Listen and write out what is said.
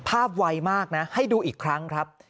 ไวมากนะให้ดูอีกครั้งครับ